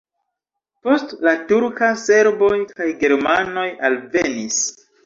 Post la turka serboj kaj germanoj alvenis.